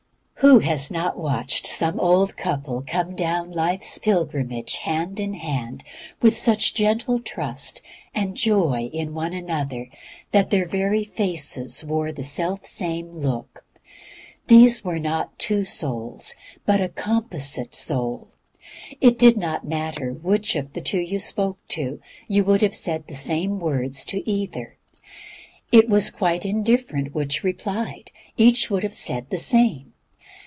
Who has not watched some old couple come down life's pilgrimage hand in hand, with such gentle trust and joy in one another that their very faces wore the self same look? These were not two souls; it was a composite soul. It did not matter to which of the two you spoke, you would have said the same words to either. It was quite indifferent which replied, each would have said the same.